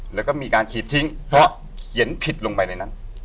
แล้วก็มีการขีดทิ้งเพราะเขียนผิดลงไปในนั้น